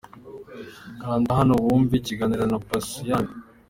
Kanda hano wumve ikiganiro na Posiyani.